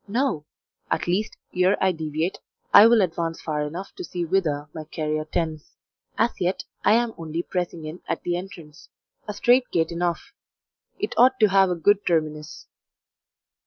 No; at least, ere I deviate, I will advance far enough to see whither my career tends. As yet I am only pressing in at the entrance a strait gate enough; it ought to have a good terminus."